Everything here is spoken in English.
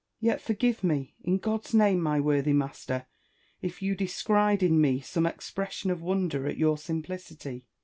Yet forgive me, in God's name, my worthy Master, if you descried in me some expression of wonder at your simplicity.